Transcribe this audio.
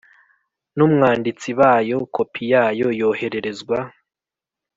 N umwanditsi bayo kopi yayo yohererezwa